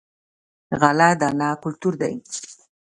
غله دانه کلتور دی.